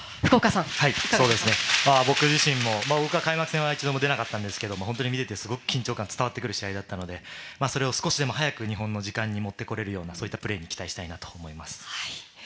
僕自身も、僕は開幕戦は一度も出なかったんですけど本当に見ていて、すごく緊張感、伝わってくる試合だったので、それを少しでも日本の時間に持ってこれるようなそういったプレーを期待したいなと思います。